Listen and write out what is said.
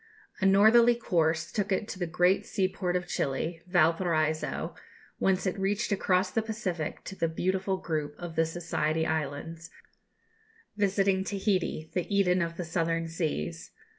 A northerly course took it to the great sea port of Chili Valparaiso, whence it reached across the Pacific to the beautiful group of the Society Islands, visiting Tahiti, the Eden of the southern seas.